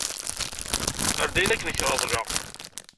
Err-d ayen akken i k-ṛeḍleɣ.